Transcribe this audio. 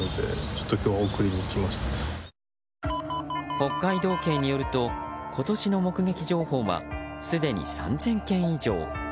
北海道警によると今年の目撃情報はすでに３０００件以上。